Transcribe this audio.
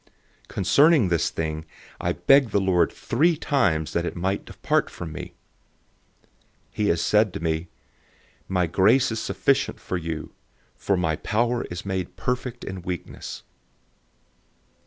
012:008 Concerning this thing, I begged the Lord three times that it might depart from me. 012:009 He has said to me, "My grace is sufficient for you, for my power is made perfect in weakness."